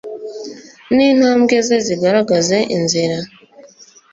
n'intambwe ze zigaragaze inzira